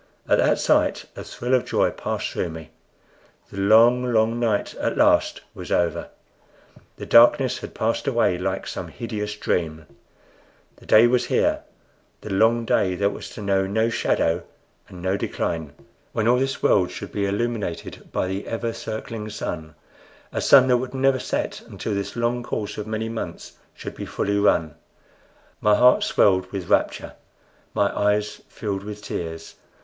At that sight a thrill of joy passed through me. The long, long night at last was over; the darkness had passed away like some hideous dream; the day was here the long day that was to know no shadow and no decline when all this world should be illuminated by the ever circling sun a sun that would never set until his long course of many months should be fully run. My heart swelled with rapture, my eyes filled with tears.